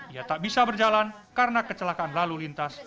ia tak bisa berjalan karena kecelakaan lalu lintas